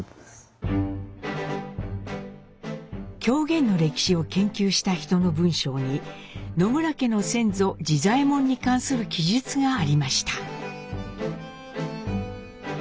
狂言の歴史を研究した人の文章に野村家の先祖次左衛門に関する記述がありました。